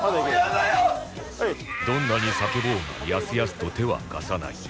どんなに叫ぼうがやすやすと手は貸さない